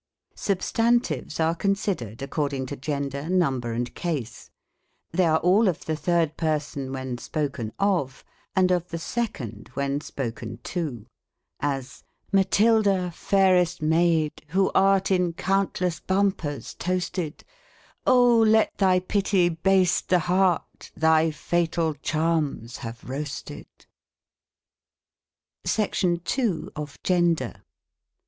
Substantives are considered according to gender, Eumber, and case ; they are all of the third person when spoken of, and of the second when spoken to : as, Matilda, fairest maid, who art In countless bumoers toasted, ETl^MOLOGrf. O let thy pity baste the heart Thy fatal charms have roasted ! 29 ||j^l!(i' Iv;!!!;], SECTION II. OF GENDER.